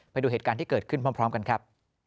ไปดูเหตุการณ์ที่เกิดขึ้นพร้อมกันครับ